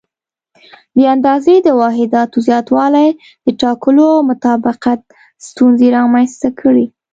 د اندازې د واحداتو زیاتوالي د ټاکلو او مطابقت ستونزې رامنځته کړې.